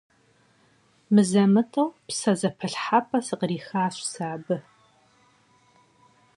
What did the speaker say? Мызэ-мытӀэу псэзэпылъхьэпӀэ сыкърихащ сэ абы.